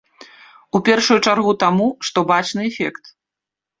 У першую чаргу таму, што бачны эфект.